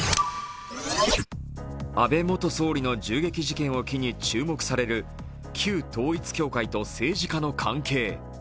安倍元総理の銃撃事件を機に注目される旧統一教会と政治家の関係。